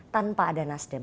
tanpa ada nasdem